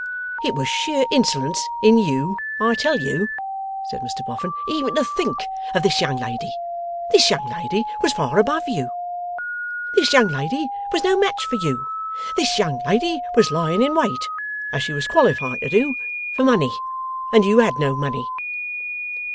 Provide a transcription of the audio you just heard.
'It was sheer Insolence in you, I tell you,' said Mr Boffin, 'even to think of this young lady. This young lady was far above YOU. This young lady was no match for YOU. This young lady was lying in wait (as she was qualified to do) for money, and you had no money.